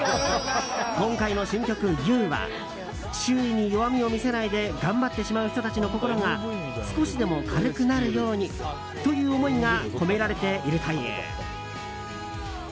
今回の新曲「ＹＯＵ」は周囲に弱みを見せないで頑張ってしまう人たちの心が少しでも軽くなるようにという思いが込められているという。